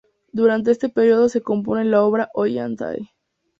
Durante este periodo se compone la obra Ollantay.